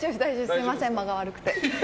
すみません、間が悪くて。